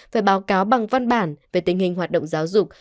phải báo cáo bằng văn bản về tình hình hoạt động giáo dục